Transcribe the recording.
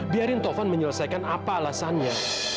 biarin tovan menyelesaikan apa alasannya